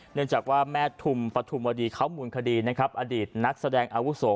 เนื่องจากว่าแม่ทุมปฐุมวดีเขามูลคดีนะครับอดีตนักแสดงอาวุโส